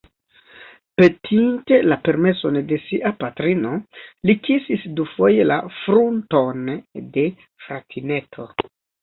Petinte la permeson de sia patrino, li kisis dufoje la frunton de fratineto.